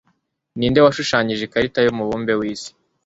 ninde washushanyije ikarita yumubumbe wisi